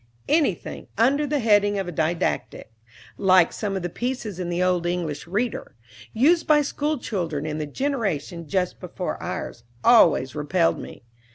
Anything under the heading of "Didactick," like some of the pieces in the old "English Reader," used by school children in the generation just before ours, always repelled me.